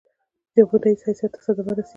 د جمهور رئیس حیثیت ته صدمه رسيږي.